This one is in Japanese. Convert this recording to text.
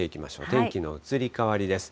天気の移り変わりです。